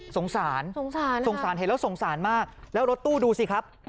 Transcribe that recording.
สงสารสงสารเห็นแล้วสงสารมากแล้วรถตู้ดูสิครับ